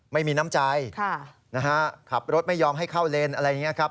ไม่มีน้ำใจนะฮะขับรถไม่ยอมให้เข้าเลนอะไรอย่างนี้ครับ